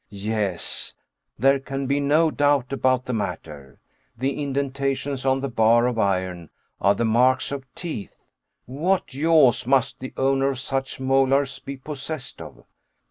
Yes. There can be no doubt about the matter. The indentations on the bar of iron are the marks of teeth! What jaws must the owner of such molars be possessed of!